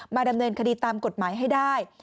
ดำเนินคดีตามกฎหมายให้ได้